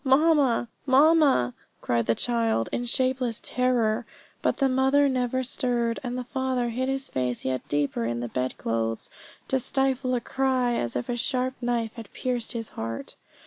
"Mamma! mamma!" cried the child, in shapeless terror. But the mother never stirred; and the father hid his face yet deeper in the bedclothes, to stifle a cry as if a sharp knife had pierced his heart.